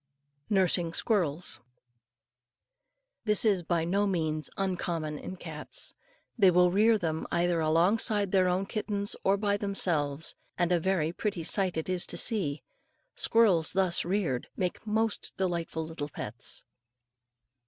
NURSING SQUIRRELS. This is by no means uncommon in cats. They will rear them either along with their own kittens or by themselves; and a very pretty sight it is to see. Squirrels thus reared make most delightful little pets.